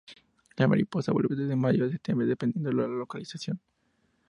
La mariposa vuela desde mayo a septiembre dependiendo de la localización.